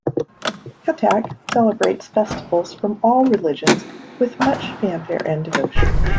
Cuttack celebrates festivals from all religions with much fanfare and devotion.